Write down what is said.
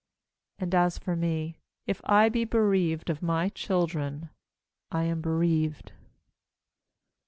And as for me, if I be bereaved of my children, I am bereaved.